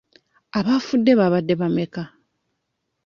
Abaafudde baabadde bameka?